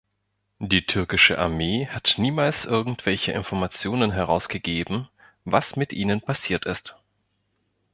Die türkische Armee hat niemals irgendwelche Informationen herausgegeben, was mit ihnen passiert ist.